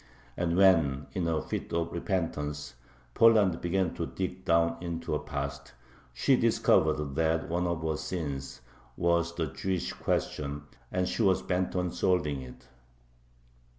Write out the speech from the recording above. And when, in a fit of repentance, Poland began to dig down into her past, she discovered that one of her "sins" was the Jewish question, and she was bent on solving it.